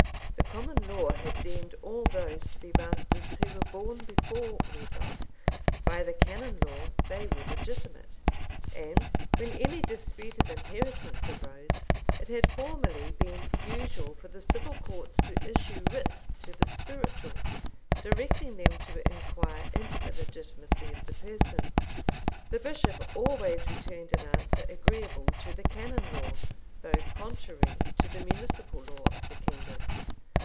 The common law had deemed all those to be bastards who were born before wedlock; by the canon law they were legitimate: and when any dispute of inheritance arose, it had formerly been usual for the civil courts to issue writs to the spiritual, directing them to inquire into the legitimacy of the person. The bishop always returned an answer agreeable to the canon law, though contrary to the municipal law of the kingdom.